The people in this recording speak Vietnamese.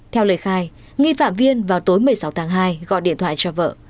theo lời khai nghi phạm viên vào tối một mươi sáu tháng hai gọi điện thoại cho vợ